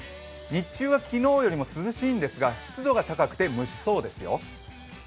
日中は昨日よりも涼しいんですが湿度が高くて蒸しそうですよ。